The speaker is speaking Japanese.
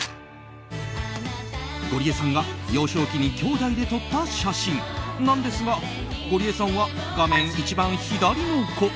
ゴリエさんが幼少期にきょうだいで撮った写真なんですがゴリエさんは画面一番左の子。